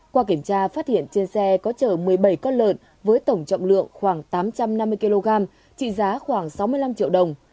qua kiểm tra phát hiện trên xe có chở một mươi bảy con lợn với tổng trọng lượng khoảng tám trăm năm mươi kg trị giá khoảng sáu mươi năm triệu đồng